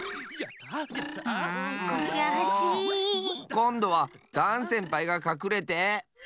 こんどはダンせんぱいがかくれて！